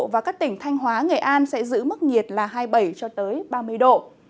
và các tỉnh thanh hóa nghệ an sẽ giữ mức nhiệt là hai mươi bảy ba mươi độ